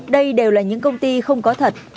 đây đều là những công ty không có thật